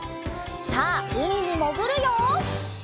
さあうみにもぐるよ！